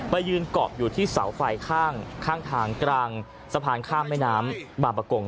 ยืนเกาะอยู่ที่เสาไฟข้างทางกลางสะพานข้ามแม่น้ำบางประกง